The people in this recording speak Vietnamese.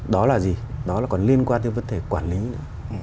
đó là gì đó là còn liên quan tới vấn đề quản lý nữa